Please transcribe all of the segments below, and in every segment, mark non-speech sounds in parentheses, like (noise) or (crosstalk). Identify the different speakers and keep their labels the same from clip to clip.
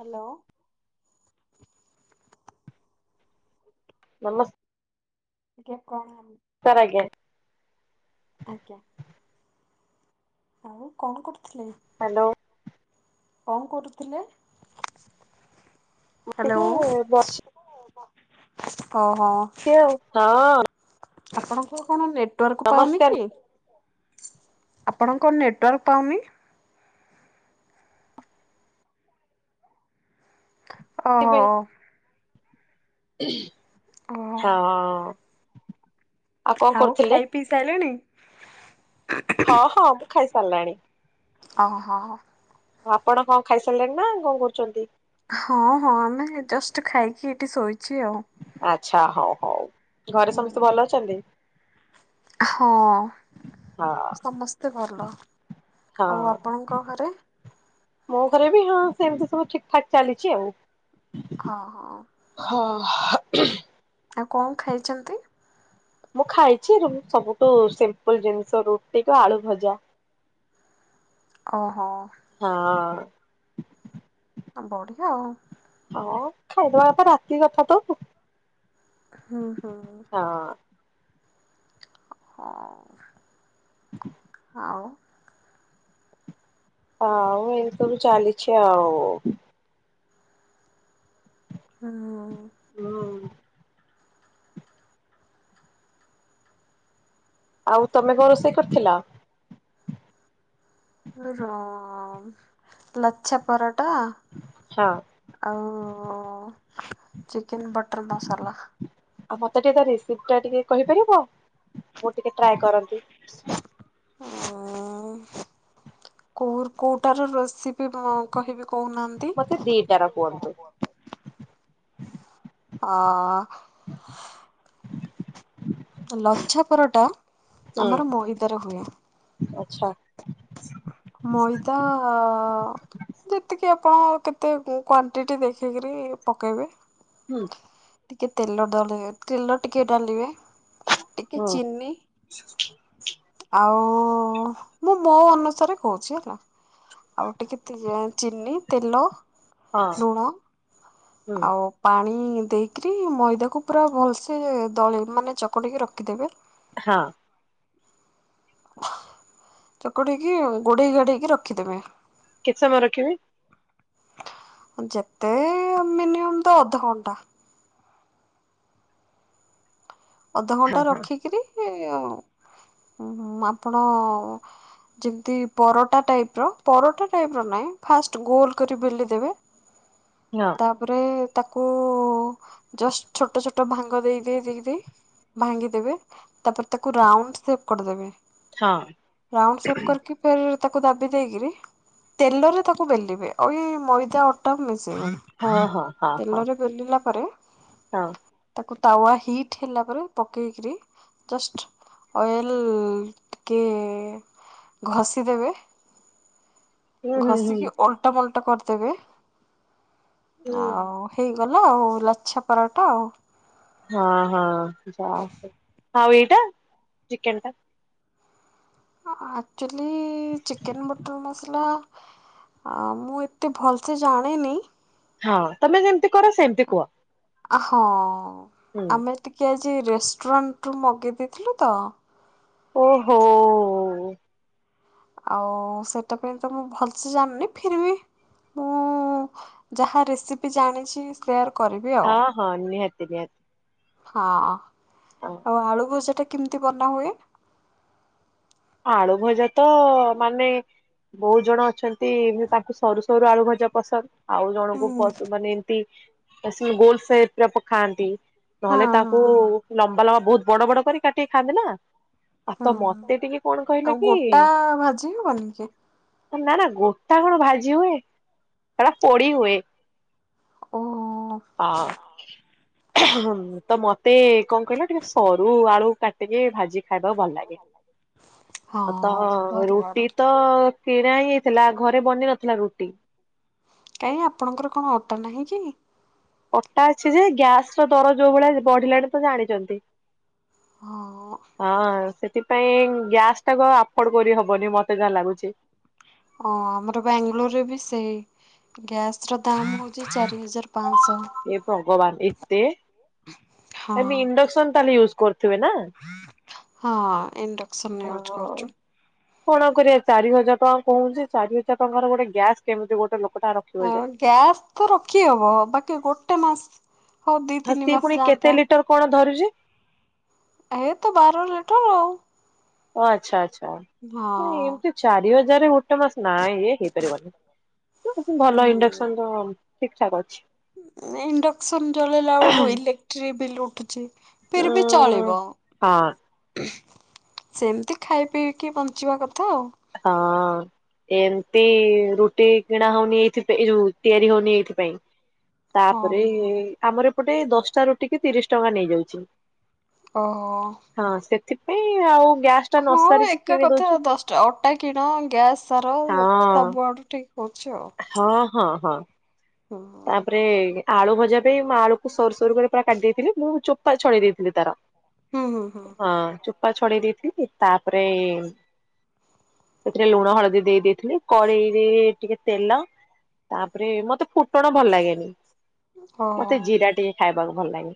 Speaker 1: Hello.
Speaker 2: (inaudible)
Speaker 1: (inaudible)
Speaker 2: (inaudible)
Speaker 1: ଆଜ୍ଞା। ଆଉ କ'ଣ କରୁଥିଲେ?
Speaker 2: ହାଲୋ।
Speaker 1: କ'ଣ କରୁଥିଲେ?
Speaker 2: ଟିକେ
Speaker 1: ହାଲୋ
Speaker 2: ବସିଛି
Speaker 1: (inaudible)
Speaker 2: (inaudible)
Speaker 1: ଆପଣଙ୍କର କ'ଣ ନେଟୱାର୍କ ପାଉନି
Speaker 2: ନମସ୍କାର
Speaker 1: କି? ଆପଣ ଙ୍କ ନେଟୱାର୍କ ପାଉନି। ଓହୋ ଓହୋ।
Speaker 2: (inaudible) କଣ
Speaker 1: ଆଉ
Speaker 2: କରୁଥିଲେ?
Speaker 1: ଖାଇ ପିଇ ସାରିଲଣି?
Speaker 2: ହଁ ହଁ ମୁଁ ଖାଇ ସାରିଲାଣି।
Speaker 1: ଓହୋ।
Speaker 2: ଆପଣ କଣ ଖାଇସାରିଲେଣି ନା କଣ କରୁଛନ୍ତି?
Speaker 1: ହଁ ହଁ ଆମେ ଜଷ୍ଟ୍ ଖାଇକି ଏଇଠି ଶୋଇଛି ଆଉ।
Speaker 2: ଆଚ୍ଛା ହଉ ହଉ ଘରେ
Speaker 1: ହୁଁ
Speaker 2: ସମସ୍ତେ ଭଲ ଅଛନ୍ତି?
Speaker 1: ହଁ
Speaker 2: ହଁ
Speaker 1: ସମସ୍ତେ ଭଲ
Speaker 2: ହଁ
Speaker 1: ଆଉ ଆପଣଙ୍କ ଘରେ?
Speaker 2: ମୋ ଘରେ ବି ହଁ ସେମିତି ସବୁ ଠିକ୍ ଠାକ୍ ଚାଲିଛି ଆଉ।
Speaker 1: ହଁ ହଁ।
Speaker 2: ହଁ (unintelligible)
Speaker 1: ଆଉ କଣ ଖାଇଛନ୍ତି?
Speaker 2: ମୁଁ ଖାଇଛି ସବୁଠୁ ସିମ୍ପଲ୍ ଜିନିଷ ରୁଟି କି ଆଳୁ ଭଜା।
Speaker 1: ଓହୋ।
Speaker 2: ହଁ।
Speaker 1: ବଢିଆ ଆଉ
Speaker 2: ହଁ ଖାଇଦେବା କଥା ରାତି କଥା ତଉ
Speaker 1: ହୁଁ ହୁଁ।
Speaker 2: ହଁ।
Speaker 1: (unintelligible) ଆଉ।
Speaker 2: ଆଉ ସବୁ ଚାଲିଛି ଆଉ।
Speaker 1: ହଁ।
Speaker 2: ହୁଁ। ଆଉ ତମେ କଣ ରୋଷେଇ କରିଥିଲ?
Speaker 1: ର ଲଛା ପରଟା
Speaker 2: ହଁ
Speaker 1: ଆଉ ଚିକେନ ବଟର୍ ମସଲା
Speaker 2: ଆଉ ମତେ ଟିକେ ତା ରେସିପ ଟା ଟିକେ କହିପାରିବ ମୁଁ ଟିକେ ଟ୍ରାଏ କରନ୍ତି।
Speaker 1: ହଁ (unintelligible) କୋଉର କୋଉଟାର ରେସିପି କହିବି କହୁନାହାନ୍ତି।
Speaker 2: ମତେ ଦିଟା ର କୁହନ୍ତୁ।
Speaker 1: ହଁ। ଲଛାପରଟା ଆମର ମଇଦାରେ ହୁଏ।
Speaker 2: ଆଛା।
Speaker 1: ମଇଦା ଅଁ ଯେତିକି ଆପଣ କେତେ କ୍ଵାଣ୍ଟିଟି ଦେଖିକିରି ପକେଇବେ।
Speaker 2: ହୁଁ।
Speaker 1: ଟିକେ ତେଲ ଡାଲିବେ ତେଲ ଟିକେ ଡାଲିବେ। ଟିକେ
Speaker 2: ହୁଁ
Speaker 1: ଚିନି ଆଉ ମୁଁ ମୋ ଅନୁସାରେ କହୁଚି ହେଲା ଆଉ ଟିକେ ତେ ଚିନି, ତେଲ,
Speaker 2: ହଁ
Speaker 1: ଲୁଣ
Speaker 2: ହୁଁ
Speaker 1: ଆଉ ପାଣି ଦେଇକିରି ମଇଦାକୁ ପୁରା ଭଲସେ ଦଳି ମାନେ ଚକଟିକି ରଖିଦେବେ।
Speaker 2: ହଁ।
Speaker 1: ଚକଟିକି ଗୋଡେଇ ଗାଡେଇକି ରଖିଦବେ।
Speaker 2: କେତେ ସମୟ ରଖିବି?
Speaker 1: ଯେତେ ମିନିମମ୍ ତ ଅଧଘଣ୍ଟା।
Speaker 2: ହଁ
Speaker 1: ଅଧଘଣ୍ଟା
Speaker 2: ହଁ
Speaker 1: ରଖିକରି ଆପଣ ଯେମତି ପରଟା ଟାଇପ ର ପରଟା ଟାଇପ ର ନାହିଁ ଫାଷ୍ଟ ଗୋଲ କରି ବେଲି ଦେବେ।
Speaker 2: (unintelligible)
Speaker 1: ତାପରେ ତାକୁ ଜଷ୍ଟ ଛୋଟ ଛୋଟ ଭାଙ୍ଗ ଦେଇ ଦେଇ ଦେଇ ଦେଇ ଭାଙ୍ଗିଦେବେ ତାପରେ ତାକୁ ରାଉଣ୍ଡ ସେପ କରିଦେବେ,
Speaker 2: ହଁ
Speaker 1: ରାଉଣ୍ଡ ସେପ କରିକି ଫିର ତାକୁ ଦାବି ଦେଇକିରି ତେଲରେ ତାକୁ ବେଲିବେ ଆଉ ଏଇ ମଇଦା ଅଟା
Speaker 2: ହଁ
Speaker 1: ମିଶେଇବେନି।
Speaker 2: ହଁ ହଁ ହଁ
Speaker 1: ତେଲରେ ବେଲିଲା ପରେ
Speaker 2: ହଁ।
Speaker 1: ତାକୁ ତାୱା ହିଟ୍ ହେଲା ତାପରେ ପକେଇକିରି ଜଷ୍ଟ ଅଏଲ୍ ଟିକେ ଘଷି ଦେବେ।
Speaker 2: ହୁଁ ହୁଁ ହୁଁ
Speaker 1: ଘଷିକି ଓଲ୍ଟ ମଲ୍ଟ କରିଦେବେ
Speaker 2: ହୁଁ।
Speaker 1: ଆଉ। ହେଇଗଲା ଆଉ ଲଛା ପରାଟା ଆଉ।
Speaker 2: ହଁ ହଁ ଯା ହଉ ଆଉ ଏଇଟା ଚିକେନ ଟା?
Speaker 1: ଆକ୍ଚୁଲି ଚିକେନ ବଟର୍ ମସଲା ଆ ମୁଁ ଏତେ ଭଲସେ ଜାଣିନି।
Speaker 2: ହଁ ତମେ ଯେମିତି କର ସେମିତି କୁହ?
Speaker 1: ଆଁ ହଁ
Speaker 2: ହୁଁ
Speaker 1: ଆମେ ଟିକେ ଆଜି ରେଷ୍ଟୁରାଣ୍ଟରୁୁ ମଗେଇ ଦେଇଥିଲୁ ତ।
Speaker 2: ଓହୋ।
Speaker 1: ଆଉ ସେଟା ପାଇଁ ତ ମୁଁ ଭଲସେ ଜାଣିନି ଫିରବି ମୁଁ ଯାହା ରେସିପି ଜାଣିଚି ସେୟାର କରିବି ଆଉ।
Speaker 2: ହଁ ହଁ ନିହାତି ନିହାତି
Speaker 1: ହଁ
Speaker 2: ହଁ।
Speaker 1: ଆଉ ଆଳୁ ଭଜା ଟା କେମିତି ବନା ହୁଏ?
Speaker 2: ଆଳୁ ଭଜା ତ ମାନେ ବହୁତ ଜଣ ଅଛନ୍ତି ତାଙ୍କୁ ସରୁ ସରୁ ଆଳୁ ଭଜା ପସନ୍ଦ। ଆଉ
Speaker 1: ହୁଁ।
Speaker 2: ଜଣଙ୍କୁ ପସ୍ ମାନେ ଏମିତି ସେ ଗୋଲ୍ ସେପ୍ ର ପ ଖାଆନ୍ତି।
Speaker 1: ହଁ
Speaker 2: ନହେଲେ
Speaker 1: ହଁ
Speaker 2: ତାକୁ ଲମ୍ବା ଲମ୍ବା ବହୁତ ବଡ ବଡ କରି କାଟିିକି ଖାନ୍ତି ନା ଆଉ
Speaker 1: ହଁ
Speaker 2: ତ
Speaker 1: ହୁଁ ହୁଁ
Speaker 2: ମତେ ଟିକେ କଣ କହିଲ
Speaker 1: ଆଉ
Speaker 2: କି
Speaker 1: ଗୋଟା ଭାଜି ହବନିିକି?
Speaker 2: ନା ନା ଗୋଟା କଣ ଭାଜି ହୁଏ ସେଟା ପୋଡି ହୁଏ।
Speaker 1: ଓ
Speaker 2: ଅଁହଁ। ହଁ ତ ମତେ କଣ କହିଲ ଟିକେ ସରୁ ଆଳୁ କାଟିକି ଭାଜି ଖାଇବାକୁ ଭଲ ଲାଗେ।
Speaker 1: ହଁ
Speaker 2: ତ
Speaker 1: ସରୁ ଆଳୁ
Speaker 2: ରୁଟି ତ କିଣା ହି ହେଇଥିଲା, ଘରେ ବନି ନଥିଲା ରୁଟି।
Speaker 1: କାଇଁ ଆପଣଙ୍କର କଣ ଅଟା ନାହିଁ କି?
Speaker 2: ଅଟା ଅଛି ଯେ ଗ୍ୟାସ୍ ର ଦର ଯୋଉ ଭଳିଆ ବଢିଲାଣି ତ ଜାଣିଚନ୍ତି?
Speaker 1: ହଁ
Speaker 2: ହଁ ସେଠି ପାଇଁ ଗ୍ୟାସ୍ ଟା କୁ ଆଉ ଆଫୋର୍ଡ କରି ହବନି ମତେ ଯାହା ଲାଗୁଛି।
Speaker 1: ଓ ଆମର ବାଙ୍ଗାଲୋର ରେ ବି ସେଇ। ଗ୍ୟାସ ର ଦାମ୍ ହଉଛି ଚାରି ହଜାର ପାଞ୍ଚଶହ।
Speaker 2: ଏ ଭଗବାନ ଏତେ
Speaker 1: ହଁ
Speaker 2: ତମେ ଇଣ୍ଡକ୍ସନ୍ ତାହେଲେ ୟୁଜ କରୁ ଥିବେ ନା?
Speaker 1: ହଁ ଇଣ୍ଡକ୍ସନ
Speaker 2: ଓ
Speaker 1: ୟୁଜ କରୁଛୁ।
Speaker 2: କଣ କରିବା ଚାରି ହଜାର ଟଙ୍କା କହୁଛି ଚାରି ହଜାର ଟଙ୍କାର ଗୋଟେ ଗ୍ୟାସ୍ କେମିତି ଗୋଟେ ଲୋକଟା ରଖ
Speaker 1: ହଁ ଗ୍ୟାସ ତ ରଖି ହବ ବାକି ଗୋଟେ ମାସ ହଉ ଦି
Speaker 2: ହଁ
Speaker 1: ତିନି
Speaker 2: ସିଏ
Speaker 1: ମାସ
Speaker 2: ପୁଣି
Speaker 1: ଯାଆନ୍ତା।
Speaker 2: (unintelligible) କଣ ଧରିଚି?
Speaker 1: ଏଇଆ ତ ବାର ଲିଟର ଆଉ।
Speaker 2: ଓ ଆଚ୍ଛା ଆଚ୍ଛା। ନାଇଁ
Speaker 1: ହଁ।
Speaker 2: ଏମିତି ଚାରି ହଜାର ଗୋଟେ ମାସ ନା ଇଏ ହେଇପାରିବନି, ଭଲ
Speaker 1: ହୁଁ
Speaker 2: ଇଣ୍ଡସ୍କନ ଠିକ ଠାକ୍ ଅଛି।
Speaker 1: ଇଣ୍ଡକ୍ସନ ଜଳେଇଲା ବେଳକୁ ଇଲେକ୍ଟ୍ରି ବିଲ୍ ଉଠୁଚି। ଫିର୍ ବି
Speaker 2: ଉଁ
Speaker 1: ଚଳିବ।
Speaker 2: ହଁ।
Speaker 1: ସେମିତି ଖାଇ ପିଇକି ବଞ୍ଚିବା କଥା ଆଉ।
Speaker 2: ହଁ। ଏମତି ରୁଟି କିଣା ହଉନି ଏଇଥିପାଇଁ ଏଯଉ ତିଆରି ହଉନି ଏଇଥିପାଇଁ।
Speaker 1: ହଁ
Speaker 2: ତାପରେ ଆମର ଏପଟେ ଦଶଟା ରୁଟି କି ତିରିଶ ଟଙ୍କା ନେଇଯାଉଛି।
Speaker 1: ଓହୋ
Speaker 2: ହଁ ସେଥିପାଇଁ ଆଉ ଗ୍ୟାସ୍-
Speaker 1: ହଁ ଏକା କଥା ଆଉ ଦଶ ଅଟା କିଣ ଗ୍ୟାସ୍ ସାର
Speaker 2: ହଁ
Speaker 1: ସବୁଆଡ଼ୁ ଠିକ ହଉଛି ଆଉ।
Speaker 2: ହଁ ହଁ ହଁ
Speaker 1: ହଁ
Speaker 2: ତାପରେ ଆଳୁ ଭଜା ପାଇଁ ମୁଁ ଆଳୁକୁ ସରିଷ ସରୁ ସରୁ ପୁରା କାଟି ଦେଇଥିଲି ମୁଁ ଚୋପା ଛଡେଇ ଦେଇଥିଲି ତାର।
Speaker 1: ହୁଁ ହୁଁ
Speaker 2: ହଁ ଚୋପା ଛଡେଇ ଦେଇଥିଲି ତାପରେ ଏଇ ସେଥିରେ ଲୁଣ ହଳଦୀ ଦେଇ ଦେଇଥିଲି କଡ଼େଇରେ ଟିକେ ତେଲ ତାପରେ ମୋତେ ଫୁ ଫୁଟଣ ଭଲ ଲାଗେନି
Speaker 1: ହଁ
Speaker 2: ମୋତେ ଜିରା ଟିକେ ଖାଇବାକୁ ଭଲ ଲାଗେ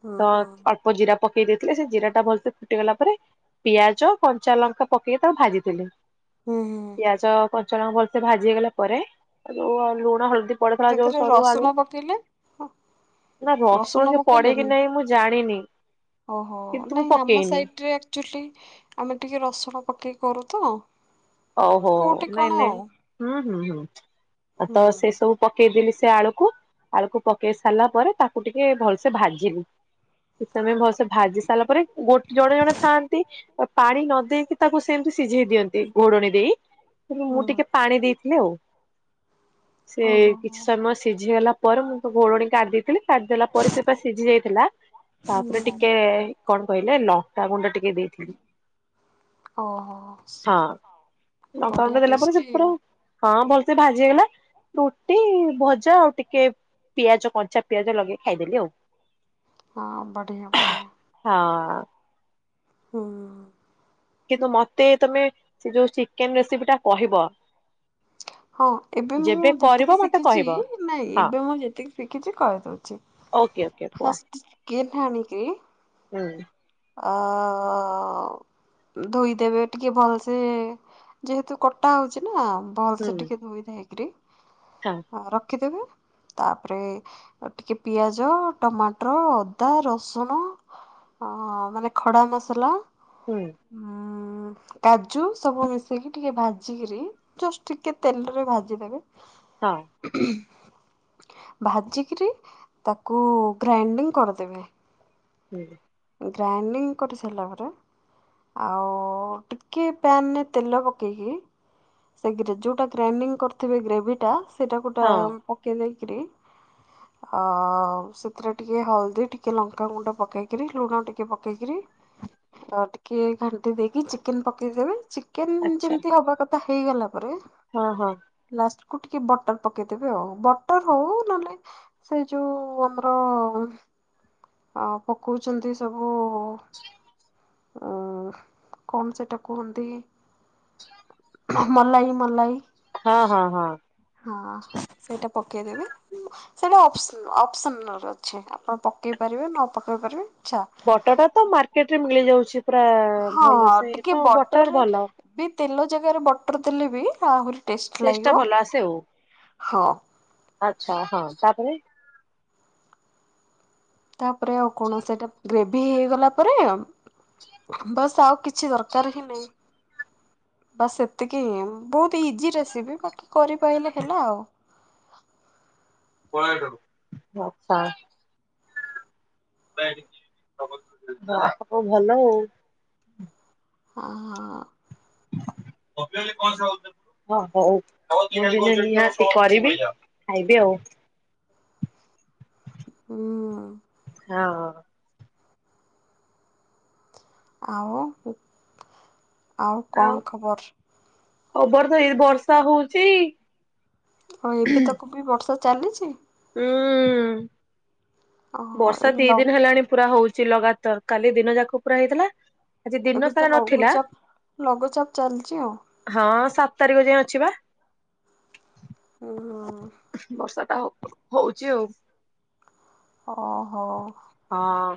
Speaker 1: ହୁଁ ହୁଁ।
Speaker 2: ତ ଜିରା ପକେଇ ଦେଇଥିଲେ ସେ ଜିରା ଟା ଭଲସେ ଫୁଟିଗଲା ପରେ ପିଆଜ କଞ୍ଚା ଲଙ୍କା ପକେଇକି ତାକୁ ଭାଜିଥିଲି।
Speaker 1: ହୁଁ ହୁଁ
Speaker 2: ପିଆଜ କଞ୍ଚାଲଙ୍କା ଭଲସେ ଭାଜି ହେଇଗଲା ପରେ ଆଉ ଲୁଣ ହଳଦୀ ପଡିଥିଲା ଯୋଉ
Speaker 1: ସେଥିରେ
Speaker 2: ସରୁ ଆଳୁ
Speaker 1: ରସୁଣ ପକେଇଲେ
Speaker 2: ନା ରସୁଣ କି ପଡେ କିି ନାଇଁ ମୁଁ ଜାଣିନି।
Speaker 1: ଓହୋ
Speaker 2: କିନ୍ତୁ ମୁଁ
Speaker 1: ନାଇଁ ଆମ
Speaker 2: ପକେଇନି
Speaker 1: ସାଇଟରେ ଆକ୍ ଚୁଲି ଆମେ ଟିକେ ରସୁଣ ପକେଇ କରୁ ତ
Speaker 2: ଓହୋ
Speaker 1: କୋଉଠି
Speaker 2: ନାଇଁ
Speaker 1: କଣ
Speaker 2: ନାଇଁ
Speaker 1: ଆଉ
Speaker 2: ହୁଁ ହୁଁ ହୁଁ
Speaker 1: ହୁଁ
Speaker 2: ତ ସେ ସବୁ ପକେଇଦେଲି ସେ ଆଳୁକୁ ଆଳୁକୁ ପକେଇ ସାରିଲା ପରେ ତାକୁ ଟିକେ ଭଲସେ ଭାଜିଲି। କିଛି ସମୟ ଭଲସେ ଭାଜି ସାରିଲା ପରେ ଗୋଟେ ଜଣେ ଜଣେ ଥାଆନ୍ତି ପାଣି ନ ଦେଇକି ତାକୁ ସେମିତି ସିଝେଇ ଦିଅନ୍ତି। ଘଡଣି ଦେଇ ମୁଁ
Speaker 1: ହୁଁ
Speaker 2: ଟିକେ ପାଣି ଦେଇଥିଲି ଆଉ। ସେ
Speaker 1: ଓହୋ
Speaker 2: କିଛି ସମୟ ସିଝିଗଲା ପରେ ମୁଁ ତ ଘୋଡ଼ଣୀ କାଢି ଦେଇଥିଲି କାଢିଦେଲା ପରେ ସେ ପା ସିଝି ଯାଇଥିଲା ତାପରେ
Speaker 1: ହୁଁ
Speaker 2: ଟିକେ କଣ କହିଲେ ଲଙ୍କା ଗୁଣ୍ଡ ଟିକେ ଦେଇଥିଲି।
Speaker 1: ଓ ହୋ ହଁ
Speaker 2: ଲଙ୍କା ଗୁଣ୍ଡ ଦେଲା ପରେ ସେ ପୁରା ହଁ ଭଲସେ ଭାଜି ହେଇଗଲା ରୁଟି ଭଜା ଆଉ ଟିକେ ପିଆଜ କଞ୍ଚା ପିଆଜ ଲଗେଇ ଖାଇଦେଲି ଆଉ
Speaker 1: ହଁ ବଢିଆ ବଢ଼ିଆ
Speaker 2: ହଁ
Speaker 1: ହୁଁ
Speaker 2: କିନ୍ତୁ ମୋତେ ତମେ ଯୋଉ ଚିକେନ ରେସିପି ଟା କହିବ
Speaker 1: ହଁ ଏବେ ମୁଁ
Speaker 2: ଯେବେ କରିବ
Speaker 1: ଯେତିକି
Speaker 2: ମତେ
Speaker 1: ଶିଖିଛି
Speaker 2: କହିବ।
Speaker 1: ନାଇଁ
Speaker 2: ହଁ
Speaker 1: ଏବେ ମୁଁ ଯେତିକି ଶିଖିଛି କହିଦଉଛି
Speaker 2: ଆଜ୍ଞା ଆଜ୍ଞା କୁହ
Speaker 1: କିଏ ଠାଣିକି
Speaker 2: ହୁଁ
Speaker 1: ଆଁ ଧୋଇଦେବେ ଟିକେ ଭଲସେ ଯେହେତୁ କଟା ହଉଛି ନା ଭଲ
Speaker 2: ହୁଁ
Speaker 1: ସେ ଟିକେ ଧୋଇ ଧାଇକିରି
Speaker 2: ହଁ
Speaker 1: ହଁ ରଖିଦେବୁ। ତାପରେ ଟିକେ ପିଆଜ ଟମାଟର ଅଦା ରସୁଣ ଓ ମାନେ ଖଡା ମସଲା
Speaker 2: ହୁଁ
Speaker 1: ଉଁ କାଜୁ ସବୁ ମିଶେଇକି ଟିକେ ଭାଜିକିରି ଜଷ୍ଟ ଟିକେ ତେଲରେ ଭାଜିଦେବେ।
Speaker 2: ହଁ।
Speaker 1: ଭାଜିକିରି ତାକୁ ଗ୍ରାଇଣ୍ଡିଙ୍ଗ କରିଦେବେ।
Speaker 2: ହୁଁ।
Speaker 1: ଗ୍ରାଇଣ୍ଡିଙ୍ଗ କରି ସାରିଲା ପରେ ଆଉ ଟିକିଏ ପ୍ୟାନରେ ତେଲ ପକେଇକି ସେ ଯୋଉଟା ଗ୍ରାଇଣ୍ଡି କରିଥିବେ ଗ୍ରେଭି ଟା ସେଇଟା ଗୋଟା
Speaker 2: ହଁ
Speaker 1: ପକେଇ ଦେଇକିରି ଅ ସେଥିରେ ଟିକେ ହଳଦୀ ଟିକେ ଲଙ୍କା ଗୁଣ୍ଡ ପକେଇ ଲୁଣ ଟିକେ ପକେଇକିରି ଆ ଟିକେ ଘାଣ୍ଟି ଦେଇକି ଚିକେନ ପକେଇଦେବେ। କେ
Speaker 2: ଆଚ୍ଛା।
Speaker 1: ଯେମତି ହବା କଥା ହେଇଗଲା ପରେ
Speaker 2: ହଁ ହଁ।
Speaker 1: ଲାଷ୍ଟ କୁ ଟିକେ ବଟର ପକେଇଦେବେ ଆଉ ବଟର ହଉ ନହେଲେ ସେଇ ଯୋଉ ଆମର ଅ ପକଉଛନ୍ତି ସବୁ ଅ କଣ ସେଟା କୁହନ୍ତି? ମଲାଇ ମଲାଇ।
Speaker 2: ହଁ ହଁ ହଁ।
Speaker 1: ହଁ ସେଇଟା ପକେଇଦେବେ। ସେଇଟା ଅପସନାଲ ଅଛି ଆପଣ ପକେଇ ପାରିବେ ନ ପକେଇ ପାରିବେ ଆଚ୍ଛା।
Speaker 2: ବଟର ଟା ତ ମାର୍କେଟରେ ମିଳି ଯାଉଛି ପୁରା
Speaker 1: ହଁ
Speaker 2: ଭଲ ସେ
Speaker 1: ଟିକେ
Speaker 2: ତ ବଟର
Speaker 1: ବଟରରେ
Speaker 2: ଭଲ।
Speaker 1: ବି ତେଲ ଜାଗାରେ ବଟର ଦେଲେ ବି ଆହୁରି ଟେଷ୍ଟ
Speaker 2: ଟା
Speaker 1: ଲାଗିବ
Speaker 2: ଭଲ ଆସେ ଆଉ
Speaker 1: ହଁ।
Speaker 2: ଆଚ୍ଛା ହଁ ତାପରେ
Speaker 1: ତାପରେ ଆଉ କଣ ସେଇଟା ଗ୍ରେଭି ହେଇଗଲା ପରେ ବାସ୍ ଆଉ କିଛି ଦରକାର ହିଁ ନାହିଁ। ବାସ ଏତିକି ବହୁତ ଇଜି ରେସିପି ବାକି କରିପାଇଲେ ହେଲା ଆଉ।
Speaker 2: ଆଚ୍ଛା। ହଁ କ ଭଲ ଆଉ।
Speaker 1: ଓ ହୋ।
Speaker 2: (unintelligible) କଣ? ହଁ ହଉ ନିହାତି କରିବି ଖାଇବି ଆଉ।
Speaker 1: ହୁଁ।
Speaker 2: ହଁ।
Speaker 1: ଆଉ ଆଉ କଣ ଖବର?
Speaker 2: ଖବର ତ ଏଇ ବର୍ଷା ହଉଚି।
Speaker 1: ହଉ ଏବେ ତାକୁ ବି ବର୍ଷା ଚାଲିଛି?
Speaker 2: ହୁଁ
Speaker 1: ଓହୋ
Speaker 2: ବର୍ଷା
Speaker 1: ଏବେ
Speaker 2: ଦି
Speaker 1: ଲ
Speaker 2: ଦିନି ହେଲାଣି ପୁରା ହଉଛି ଲଗାତାର। ତର କାଲି ଦିନ ଯାକ ପୁରା ହେଇଥିଲା। ଆଜି ଦିନ
Speaker 1: ଏବେ ତ
Speaker 2: ସାରା ନଥିଲା
Speaker 1: ଲଘୁଚାପ ଲଘୁଚାପ ଚାଲିଚି ଆଉ।
Speaker 2: ହଁ ସାତ ତାରିଖ ଯାଏଁ ଅଛିି ପା।
Speaker 1: ଓହୋ।
Speaker 2: ବର୍ଷା ଟା ହଉଛି ଆଉ।
Speaker 1: ଓହୋ।
Speaker 2: ହଁ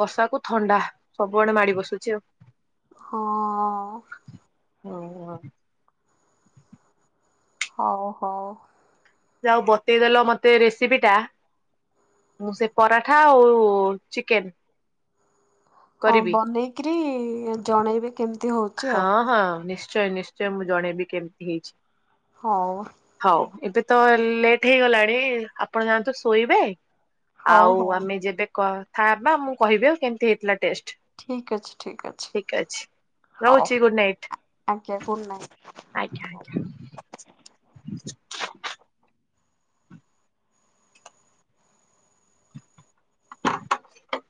Speaker 2: ବର୍ଷା କୁ ଥଣ୍ଡା ସବୁଆଡେ ମାଡି ବସୁଛି ଆଉ।
Speaker 1: ହଁ।
Speaker 2: ଓ ହୋ।
Speaker 1: ହଉ ହଉ।
Speaker 2: ଯାହା ହଉ ବତେଇଦେଲ ମତେ ରେସିପି ଟା। ମୁଁ ସେ ପରଠା ଆଉ ଚିକେନ
Speaker 1: ହଁ
Speaker 2: କରିବି।
Speaker 1: ବନେଇକିରି ଜଣେଇବେ କେମିତି ହଉଛି ଆଉ
Speaker 2: ହଁ ହଁ ନିଶ୍ଚୟ ନିଶ୍ଚୟ ମୁଁ ଜଣେଇବି କେମତି ହେଇଛି?
Speaker 1: ହଉ।
Speaker 2: ହଉ ଏବେ ତ ଲେଟ୍ ହେଇଗଲାଣି ଆପଣ ଯାଆନ୍ତୁ ଶୋଇବେ।
Speaker 1: ହଉ
Speaker 2: ଆଉ
Speaker 1: ହଉ
Speaker 2: ଆମେ ଯେବେ କଥା ହବା ମୁଁ କହିବି ଆଉ କେମିତି ହେଇଥିଲା ଟେଷ୍ଟ?
Speaker 1: ଠିକ ଅଛି, ଠିକ ଅଛି। ହଉ
Speaker 2: ରହୁଛି ଗୁଡ୍ ନାଇଟ୍।
Speaker 1: ଆଜ୍ଞା ଗୁଡ଼ ନାଇଟ।
Speaker 2: ଆଜ୍ଞା ଆଜ୍ଞା। (inaudible)